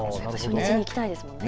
初日に行きたいですもんね。